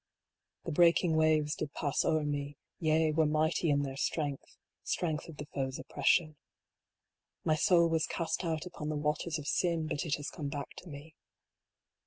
The breaking waves did pass o er me ; yea, were mighty in their strength Strength of the foe s oppression. My soul was cast out upon the waters of Sin : but it has come back to me.